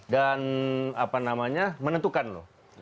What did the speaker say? dan apa namanya menentukan loh